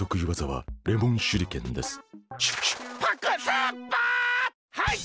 はい！